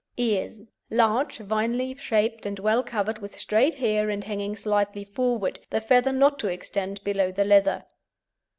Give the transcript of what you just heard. EARS Large, vine leaf shaped, and well covered with straight hair and hanging slightly forward, the feather not to extend below the leather.